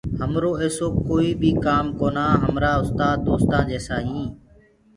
همرو ايسو ڪوئيٚ بيٚ ڪآم ڪونآ همرآ استآد دوستآ جيسي هينٚ